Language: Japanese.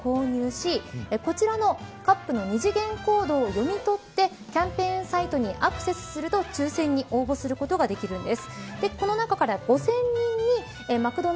マクドナルドでコールドドリンクのＭサイズを購入し、こちらのカップの二次元コードを読み取ってキャンペーンサイトにアクセスすると抽選に応募することができるんです。